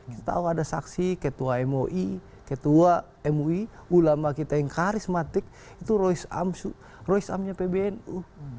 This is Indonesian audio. kita tahu ada saksi ketua mui ketua mui ulama kita yang karismatik itu roy amsu rois amnya pbnu